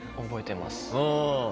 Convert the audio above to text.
覚えてます。